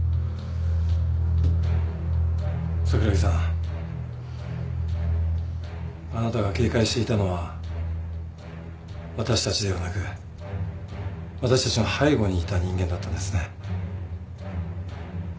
桜木さんあなたが警戒していたのは私たちではなく私たちの背後にいた人間だったんですね。